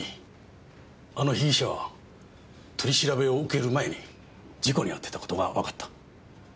あの被疑者は取り調べを受ける前に事故に遭ってた事がわかった。